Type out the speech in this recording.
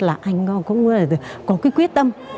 là anh cũng có quyết tâm